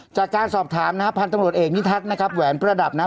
จากการสอบถามนะฮะพันธุ์ตำรวจเอกนิทัศน์นะครับแหวนประดับนะ